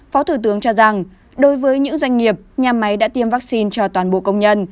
phó thủ tướng cho rằng đối với những doanh nghiệp nhà máy đã tiêm vaccine cho toàn bộ công nhân